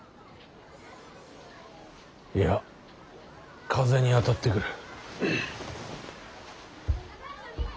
いや風に当たってくる。